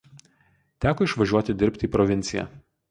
Teko išvažiuoti dirbti į provinciją.